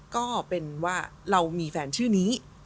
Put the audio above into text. ก็เป็นว่าเรามีแฟนชื่อนี้